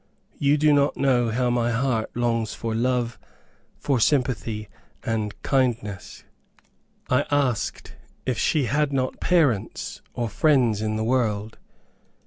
You do not know how my heart longs for love, for sympathy and kindness." I asked if she had not parents, or friends, in the world.